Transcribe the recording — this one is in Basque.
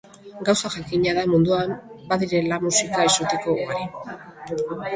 Gauza jakina da munduan badirela musika exotiko ugari.